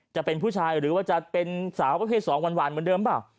จะเป็นผู้ชายหรือว่าจะเป็นสาวประเภท๒หวานเหมือนเดิมเปล่า